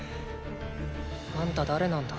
あんた誰なんだ。